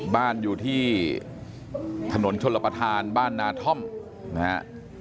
บ้านอยู่ที่ถนนชลประธานบ้านนาท่อมนะฮะ